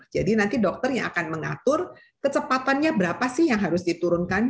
jadi nanti dokter yang akan mengatur kecepatannya berapa sih yang harus diturunkan